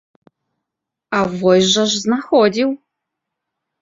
А вось жа ж знаходзіў!